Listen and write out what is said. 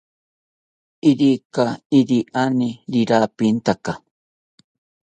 Irika iriani rirapintaka